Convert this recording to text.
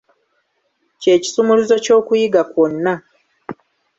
Kye kisumuluzo ky'okuyiga kwonna.